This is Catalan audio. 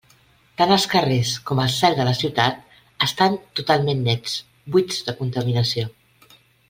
Tant els carrers com el «cel» de la ciutat estan totalment nets, buits de contaminació.